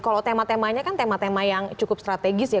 kalau tema temanya kan tema tema yang cukup strategis ya